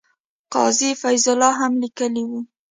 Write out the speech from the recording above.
قاضي فیض الله هم لیکلي وو.